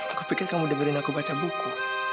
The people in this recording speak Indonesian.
aku pikir kamu udah berin aku baca buku